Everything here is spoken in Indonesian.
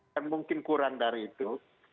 dan mungkin kurang dari itu